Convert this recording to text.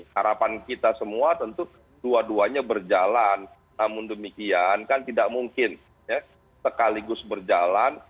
harapan kita semua tentu dua duanya berjalan namun demikian kan tidak mungkin sekaligus berjalan